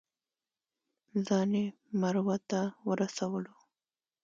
ځان یې مروه ته ورسولو.